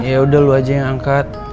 yaudah lo aja yang angkat